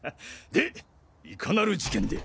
でいかなる事件で？